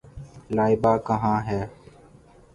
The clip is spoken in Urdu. لائبہ کہاں ہے؟